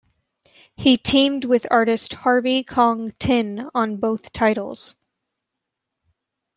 He teamed with artist Harvey Kong Tin on both titles.